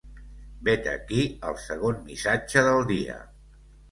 Vet aquí el segon missatge del dia.